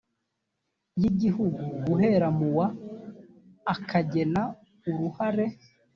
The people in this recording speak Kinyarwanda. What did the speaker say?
y igihugu guhera mu wa akagena uruhare